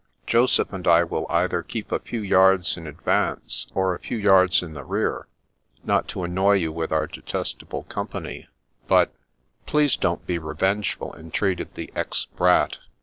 Joseph and I will either keep a few yards in advance, or a few yards in the rear, not to annoy you with our detestable company, but "" Please don't be revengeful," entreated the ex Brat.